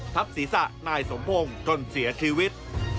ทับศีรษะนายสมพงศ์จนเสียชีวิต